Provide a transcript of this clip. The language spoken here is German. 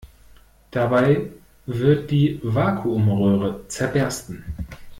Dabei wird die Vakuumröhre zerbersten.